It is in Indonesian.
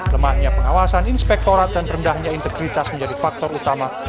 lemahnya pengawasan inspektorat dan rendahnya integritas menjadi faktor utama